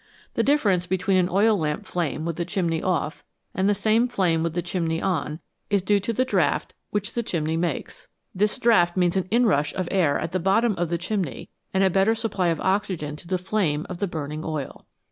The difference between an oil lamp flame with the chimney off, and the same flame with the chimney on, is due to the draught which the chimney makes ; this draught means an inrush of air at the bottom of the chimney and a better supply of oxygen to the flame of the burning oil.